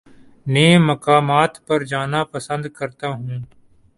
نئے مقامات پر جانا پسند کرتا ہوں